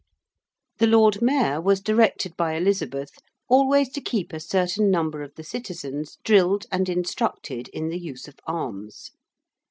The Lord Mayor was directed by Elizabeth always to keep a certain number of the citizens drilled and instructed in the use of arms.